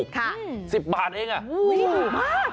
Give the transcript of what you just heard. ครับสิบบาทเองอ่ะซิบบาทอู้วมาก